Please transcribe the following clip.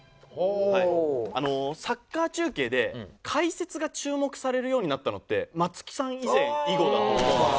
サッカー中継で解説が注目されるようになったのって松木さん以前以後だと思うんですよ。